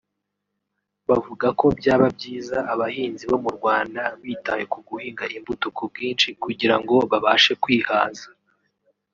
bavuga ko byaba byiza abahinzi bo mu Rwanda bitaye ku guhinga imbuto ku bwinshi kugira ngo babashe kwihaza